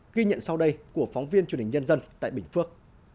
ghi nhận sau đây của phóng viên truyền hình nhân dân tại bình phước